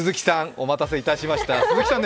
お待たせいたしました、鈴木さん